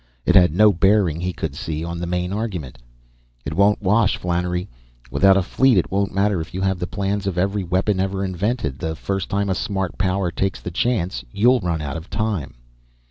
It had no bearing he could see on the main argument. "It won't wash, Flannery. Without a fleet, it won't matter if you have the plans of every weapon ever invented. The first time a smart power takes the chance, you'll run out of time."